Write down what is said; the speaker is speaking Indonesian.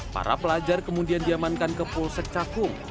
para pelajar kemudian diamankan ke polsek cakung